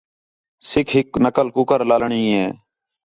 سِکھ ہِک نقل کُکر لالݨی ہِے